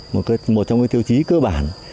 một trong những tiêu chí cơ bản